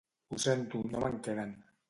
Ho sento, no me'n queden.